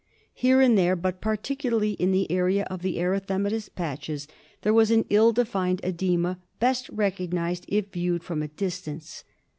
Here and there, but particularly in the area of the erythematous patches, there was an ill defined oedema, best recognised if viewed from a distance.